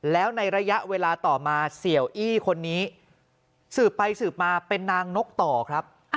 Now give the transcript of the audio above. แล้วในระยะเวลาต่อมาเสียอี้คนนี้สืบไปสืบมาเป็นนางนกต่อครับ